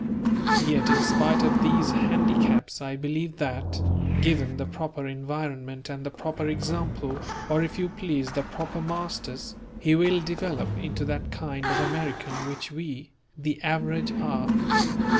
Yet in spite of these handicaps I believe that, given the proper environment and the proper example, or if you please the proper masters, he will develop into that kind of American which we, the average, are.